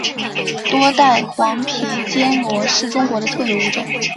多带黄皮坚螺是中国的特有物种。